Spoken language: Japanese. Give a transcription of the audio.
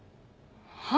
は？